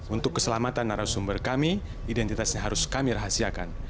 untuk keselamatan narasumber kami identitasnya harus kami rahasiakan